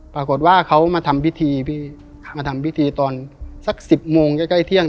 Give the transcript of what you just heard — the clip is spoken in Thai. ปรากฏว่าเขามาทำพิธีพี่มาทำพิธีตอนสัก๑๐โมงใกล้ใกล้เที่ยง